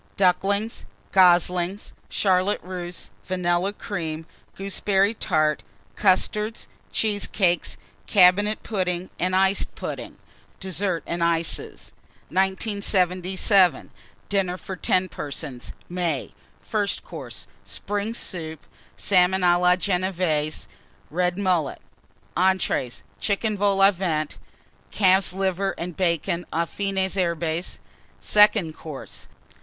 Ducklings. Goslings. Charlotte Russe. Vanilla Cream. Gooseberry Tart. Custards. Cheesecakes. Cabinet Pudding and Iced Pudding. DESSERT AND ICES. 1977. DINNER FOR 10 PERSONS (May). FIRST COURSE. Spring Soup. Salmon à la Genévése. Red Mullet. ENTREES. Chicken Vol au Vent. Calf's Liver and Bacon aux Fines Herbes. SECOND COURSE.